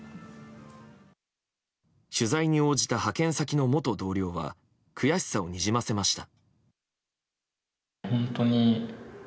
取材に応じた派遣先の元同僚は悔しさをにじませました。